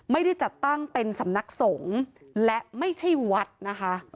ไม่ได้จัดตั้งเป็นสำนักสงฆ์และไม่ใช่วัดนะคะ